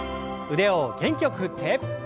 腕を元気よく振って。